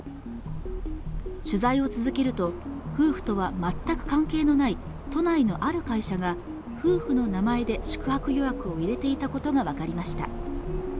取材を続けると、夫婦とは全く関係のない都内のある会社が夫婦の名前で宿泊予約を入れていたことがわかりました。